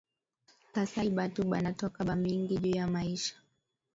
Kasayi batu banatoka ba mingi juya maisha